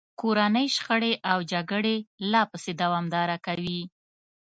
کورنۍ شخړې او جګړې لا پسې دوامداره کوي.